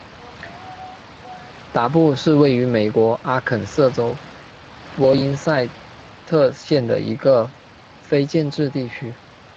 达布是位于美国阿肯色州波因塞特县的一个非建制地区。